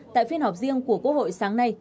tại phiên họp riêng của quốc hội sáng nay